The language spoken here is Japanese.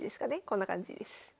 こんな感じです。